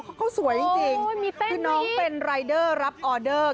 เขาสวยจริงคือน้องเป็นรายเดอร์รับออเดอร์